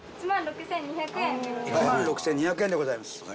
１万６，２００円でございます。